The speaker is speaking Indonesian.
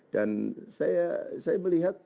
dan saya melihat